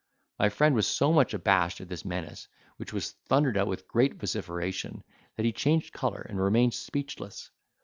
My friend was so much abashed at this menace, which was thundered out with great vociferation, that he changed colour, and remained speechless.